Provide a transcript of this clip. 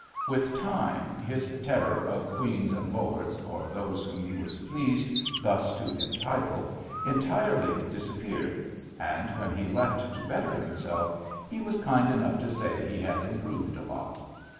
With time his terror of "Queens and Lords," or those whom he was pleased thus to entitle, entirely disappeared, and when he left to better himself, he was kind enough to say he had improved a lot.